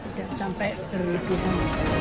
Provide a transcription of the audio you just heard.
tidak sampai berhubungan